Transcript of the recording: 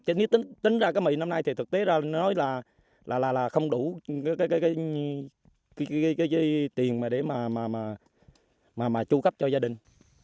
nếu tính ra mì năm nay thì thực tế ra là không đủ tiền để tru cấp cho gia đình